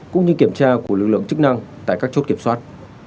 cũng như kiểm tra của lực lượng chức năng tại các chốt kiểm soát